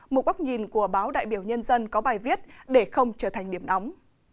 một bóc nhìn của báo đại biểu nhân dân có bài viết để không trở thành điểm nóng